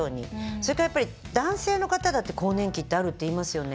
それから男性の方だって更年期あるっていいますよね。